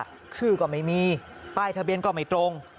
ชื่อก็ไม่มีป้ายทะเบียนก็ไม่ตรง